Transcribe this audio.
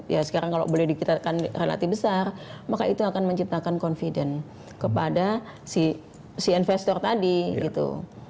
ya sekarang kalau boleh dikatakan relatif besar maka itu akan menciptakan confident kepada si investor tadi gitu